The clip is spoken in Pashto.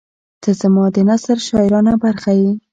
• ته زما د نثر شاعرانه برخه یې.